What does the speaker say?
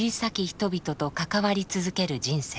人々と関わり続ける人生。